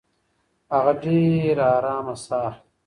هغه ډېره ارامه ساه اخلي.